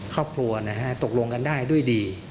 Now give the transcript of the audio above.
ครอบครัวนะฮะตกลงกันได้ด้วยดี